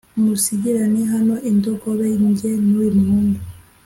musigirane hano indogobe jye n uyu muhungu